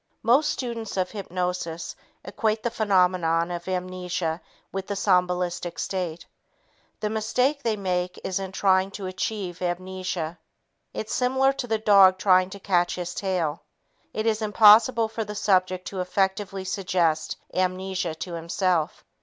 Most students of hypnosis equate the phenomenon of amnesia with the somnambulistic state. The mistake they make is in trying to achieve amnesia. It's similar to the dog trying to catch his tail. It is impossible for the subject to effectively suggest amnesia to himself.